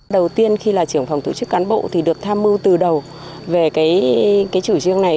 đầu tiên khi là trưởng phòng tổ chức cán bộ thì được tham mưu từ đầu về cái chủ trương này